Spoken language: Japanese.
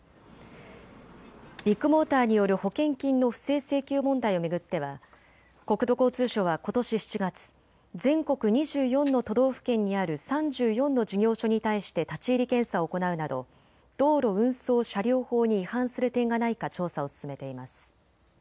ビッグモーターによる保険金の不正請求問題を巡っては国土交通省はことし７月、全国２４の都道府県にある３４の事業所に対して立ち入り検査を行うなど道路運送車両法に違反する点がないか調査を進めています。